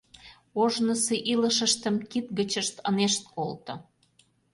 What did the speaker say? Ожнысо илышыштым кид гычышт ынешт колто.